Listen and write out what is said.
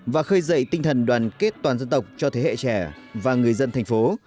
và khơi dậy tinh thần đoàn kết toàn dân tộc cho thế hệ trẻ và người dân thành phố